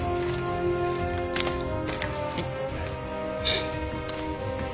はい。